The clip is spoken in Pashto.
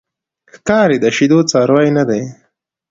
ښکاري د شیدو څاروی نه دی.